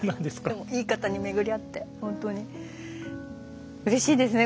でもいい方に巡り会って本当にうれしいですね